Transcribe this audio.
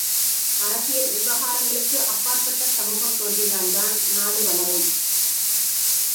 அரசியல் விவகாரங்களுக்கு அப்பாற்பட்ட சமூகம் தோன்றினால்தான் நாடு வளரும்.